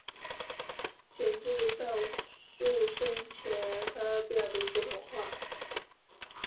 贤治的少数生前发表的一个童话。